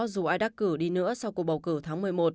dù ai đắc cử đi nữa sau cuộc bầu cử tháng một mươi một